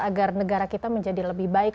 agar negara kita menjadi lebih baik